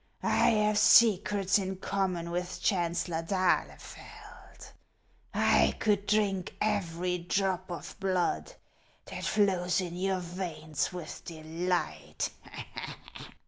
I have secrets in common with Chancellor d'Ahle feld. 1 could drink every drop of blood that flows in your veins with delight.